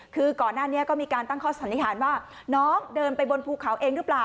คือก่อนหน้านี้ก็มีการตั้งข้อสันนิษฐานว่าน้องเดินไปบนภูเขาเองหรือเปล่า